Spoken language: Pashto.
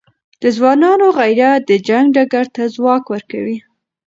د ځوانانو غیرت د جنګ ډګر ته ځواک ورکوي.